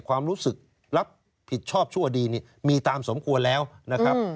ความรู้สึกรับผิดชอบชั่วดีนี่มีตามสมควรแล้วนะครับ